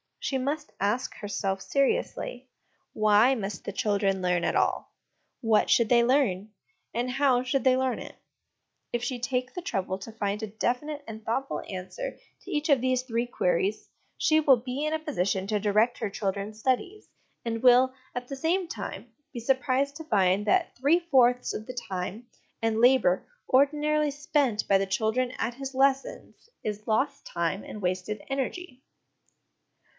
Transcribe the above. She must ask herself seriously, Why must the children learn at all? What should they learn? And, How should they learn it? If she take the trouble to find a definite and thoughtful answer to each of these three queries, she will be in a position to direct her children's studies ; and will, at the same time, be surprised to find that three fourths of the time and labour ordinarily spent by the child at his lessons is lost time and wasted energy.